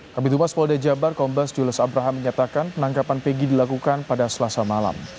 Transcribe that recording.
kami tumas pol dejabar kombas jules abraham menyatakan penangkapan pegi dilakukan pada selasa malam